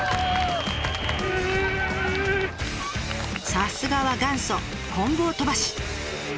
さすがは元祖棍棒飛ばし！